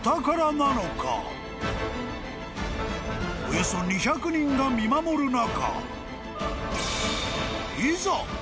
［およそ２００人が見守る中］